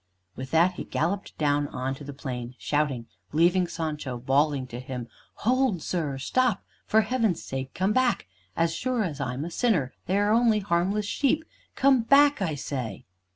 With that, he galloped down on to the plain, shouting, leaving Sancho bawling to him, "Hold, sir! Stop! For Heaven's sake come back. As sure as I'm a sinner, they are only harmless sheep. Come back, I say."